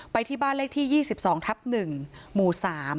ที่บ้านเลขที่๒๒ทับ๑หมู่๓